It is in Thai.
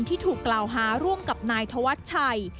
ที่ถูกกล่าวหาร่วมกับนายธวัชชัย